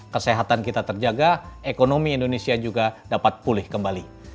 kesehatan kita terjaga ekonomi indonesia juga dapat pulih kembali